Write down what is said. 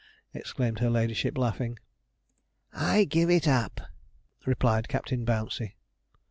exclaimed her ladyship, laughing. 'I give it up,' replied Captain Bouncey.